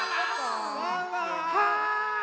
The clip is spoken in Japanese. ・はい。